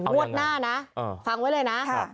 งวดหน้านะฟังไว้เลยนะ